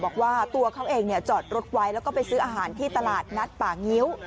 บอกว่าตัวเขาเองจอดรถไว้แล้วก็ไปซื้ออาหารที่ตลาดนัดป่างิ้ว